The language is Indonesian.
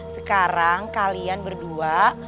sekarang kalian berdua